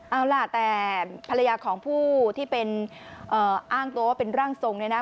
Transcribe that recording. เอาล่ะแต่ภรรยาของผู้ที่เป็นอ้างตัวว่าเป็นร่างทรงเนี่ยนะ